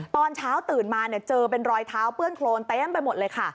ตอนเช้าตื่นมาเจอเป็นรอยเท้าเปื้อนโครนเต็มไปหมดเลยค่ะ